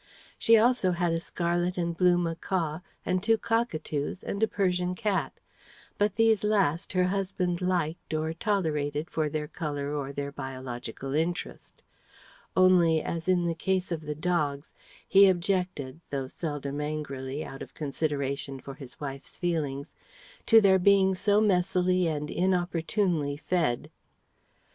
She also had a scarlet and blue macaw and two cockatoos and a Persian cat; but these last her husband liked or tolerated for their colour or their biological interest; only, as in the case of the dogs, he objected (though seldom angrily, out of consideration for his wife's feelings) to their being so messily and inopportunely fed.